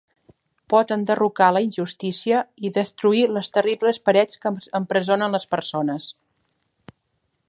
Pot enderrocar la injustícia i destruir les terribles parets que empresonen les persones.